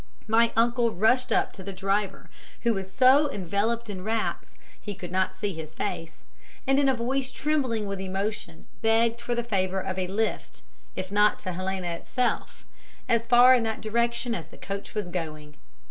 My uncle rushed up to the driver, who was so enveloped in wraps, he could not see his face, and in a voice trembling with emotion begged for the favour of a lift if not to Helena itself, as far in that direction as the coach was going.